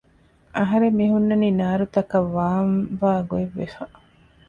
އަހަރެން މިހުންނަނީ ނާރުތަކަށް ވާން ވާ ގޮތްވެފަ